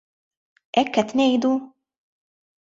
Hekk qed ngħidu?